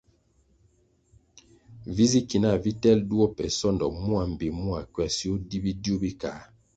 Vi zi ki nah vi telʼ duo pe sondo mua mbpi mua kwasio di bidiu bi kā.